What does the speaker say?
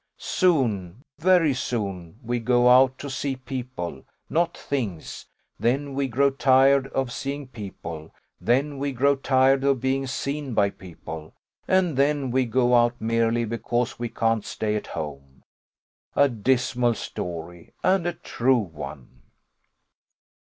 Soon, very soon, we go out to see people, not things: then we grow tired of seeing people; then we grow tired of being seen by people; and then we go out merely because we can't stay at home. A dismal story, and a true one.